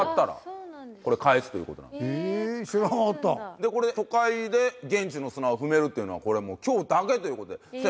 でこれ都会で現地の砂を踏めるっていうのはこれはもう今日だけという事で先生